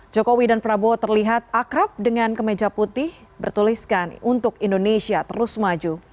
jokowi dan prabowo terlihat akrab dengan kemeja putih bertuliskan untuk indonesia terus maju